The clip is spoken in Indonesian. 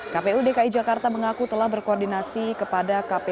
kpu dki jakarta mengaku telah berkoordinasi kepada kpu